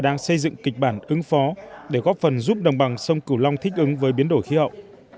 đang xây dựng kịch bản ứng phó để góp phần giúp đồng bằng sông cửu long thích ứng với biến đổi khí hậu